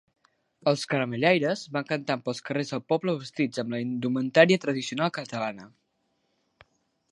Els caramellaires van cantant pels carrers del poble vestits amb la indumentària tradicional catalana.